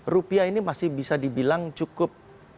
rupiah ini masih bisa dibilang cukup